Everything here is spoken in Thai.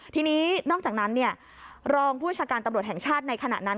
ทีนี้นอกจากนั้นรองผู้ประชาการตำรวจแห่งชาติในขณะนั้น